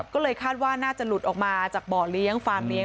ก็เลยคาดว่าน่าจะหลุดออกมาจากบ่อเลี้ยงฟาร์มเลี้ย